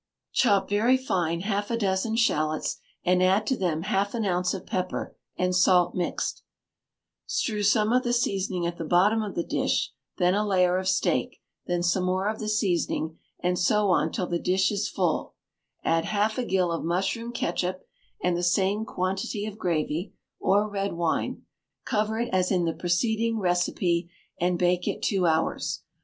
Chop very fine half a dozen shalots, and add to them half an ounce of pepper and salt mixed; strew some of the seasoning at the bottom of the dish, then a layer of steak, then some more of the seasoning, and so on till the dish is full; add half a gill of mushroom ketchup, and the same quantity of gravy, or red wine; cover it as in the preceding receipt, and bake it two hours.